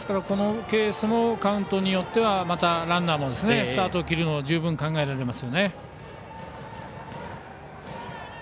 このケースもカウントによってはまた、ランナーもスタートを切るのも十分、考えられますよね。